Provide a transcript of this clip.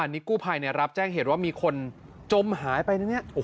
ละวันนี้กูภัยรับแจ้งเหตุว่ามีคนจมหายไป